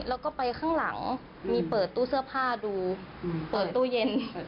แล้วก็ไปข้างหลังมีเปิดตู้เสื้อผ้าดูเปิดตู้เย็น